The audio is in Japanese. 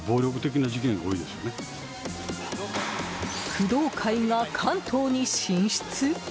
工藤会が関東に進出？